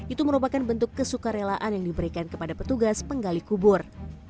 itu merupakan bentuk kesuka relaan yang diberikan kepada petugas penggali kubur